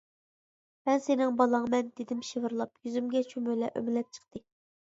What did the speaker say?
مەن سېنىڭ بالاڭمەن-دېدىم شىۋىرلاپ، يۈزۈمگە چۈمۈلە ئۆمىلەپ چىقتى.